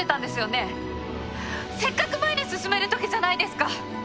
せっかく前に進めるときじゃないですか。